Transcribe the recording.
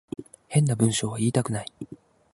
変な文章は言いたくない